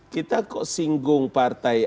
kita kok singgung partai